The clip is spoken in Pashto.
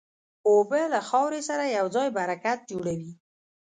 اوبه له خاورې سره یوځای برکت جوړوي.